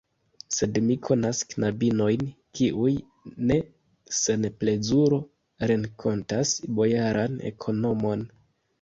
Sed mi konas knabinojn, kiuj ne sen plezuro renkontas bojaran ekonomon.